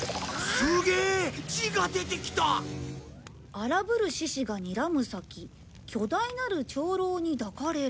「あらぶる獅子がにらむさき巨大なる長老にだかれる」